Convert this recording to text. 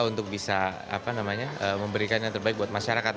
untuk bisa memberikan yang terbaik buat masyarakat